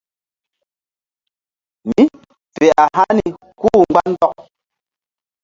Mí fe a hani kú-u mgba ndɔk.